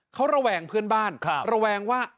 เขาระแวงเพื่อนบ้านระแวงว่า